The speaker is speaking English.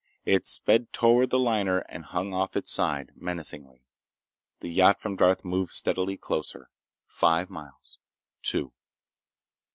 It sped toward the liner and hung off its side, menacingly. The yacht from Darth moved steadily closer. Five miles. Two.